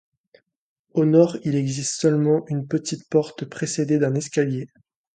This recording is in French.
Au nord, il existe seulement une petite porte précédée d'un escalier.